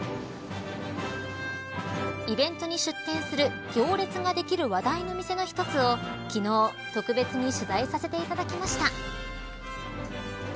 イベントに出店する行列ができる話題の店の１つを昨日、特別に取材させていただきました。